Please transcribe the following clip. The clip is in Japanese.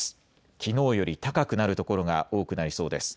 きのうより高くなる所が多くなりそうです。